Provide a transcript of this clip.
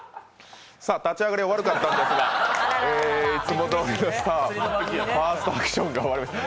さあ、立ち上がりは悪かったんですが、いつもどおりのファーストアクションが終わりました。